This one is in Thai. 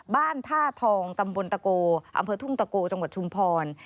บ้านท่าทองตำบลตะโกอำเภอทุ่งตะโกจังหวัดชุมพร